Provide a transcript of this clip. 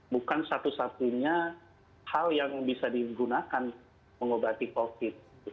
bukan satu satunya hal yang bisa digunakan mengobati covid